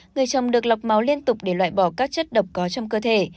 người chồng được lọc máu liên tục để loại bỏ các chất độc có trong cơ thể